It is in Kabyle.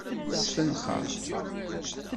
Sfenxeṛ.